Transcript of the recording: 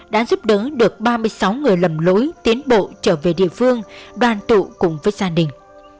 đã giúp đỡ được ba mươi sáu người lầm lỗi tiến bộ trở về địa phương đoàn tụ cùng với gia đình